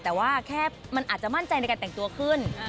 แต่ว่าแค่มันอาจจะมั่นใจในการแต่งตัวขึ้น